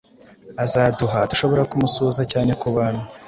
Azaduha dushobora kumusuhuza cyane kubantu